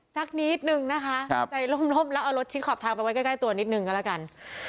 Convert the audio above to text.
สักนิดนึงนะคะใจร่มแล้วเอารถชิ้นขอบทางไปไว้ใกล้ตัวนิดนึงก็แล้วกัน